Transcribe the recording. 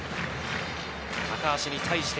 高橋に対して。